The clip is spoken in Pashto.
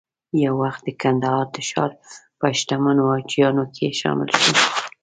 یو وخت د کندهار د ښار په شتمنو حاجیانو کې شامل شو.